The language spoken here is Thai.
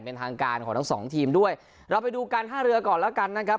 เป็นทางการของทั้งสองทีมด้วยเราไปดูการท่าเรือก่อนแล้วกันนะครับ